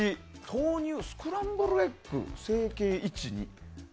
投入、スクランブルエッグ成形、１、２。